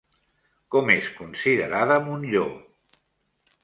Com és considerada Montllor?